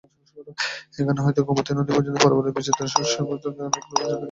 এখান হইতে গোমতী নদী এবং তাহার পরপারের বিচিত্রবর্ণ শস্যক্ষেত্রসকল অনেক দূর পর্যন্ত দেখা যায়।